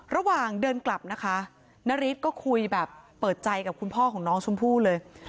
ระหว่างเดินกลับนะคะนาริสก็คุยแบบเปิดใจกับคุณพ่อของน้องชมพู่เลย